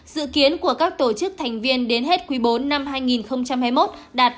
dự kiến của các tổ chức thành viên đến hết quý bốn năm hai nghìn hai mươi một đạt ba mươi năm